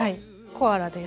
コアラです。